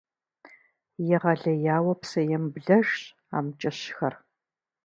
Егъэлеяуэ псэемыблэжщ амкӀыщхэр.